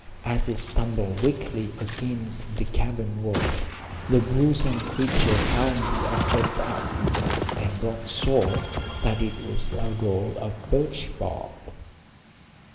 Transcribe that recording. As it stumbled weakly against the cabin wall the gruesome creature held the object up, and Rod saw that it was a roll of birch bark!